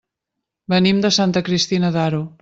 Venim de Santa Cristina d'Aro.